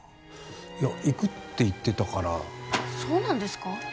いや行くって言ってたからそうなんですか？